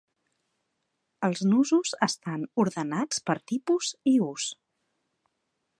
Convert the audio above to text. Els nusos estan ordenats per tipus i ús.